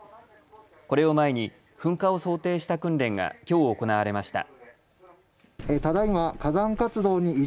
これを前に噴火を想定した訓練がきょう行われました。